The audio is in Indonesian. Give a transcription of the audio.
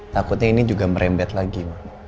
takutnya ini juga merembet lagi